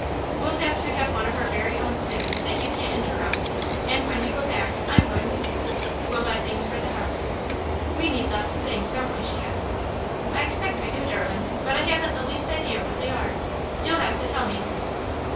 "We'll have one of our own very soon that you can't interrupt, and, when you go back, I'm going with you. We'll buy things for the house." "We need lots of things, don't we?" she asked. "I expect we do, darling, but I haven't the least idea what they are. You'll have to tell me."